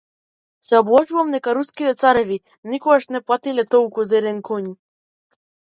Се обложувам дека Руските цареви никогаш не платиле толку за еден коњ.